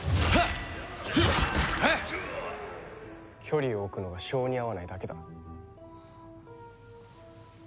距離を置くのが性に合わないだけだ。